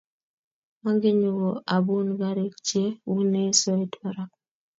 Magenyu ko abun garik che bunei soet barak